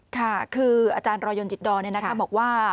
ค่ะคืออาจารย์รอยนจิตดรบอกว่า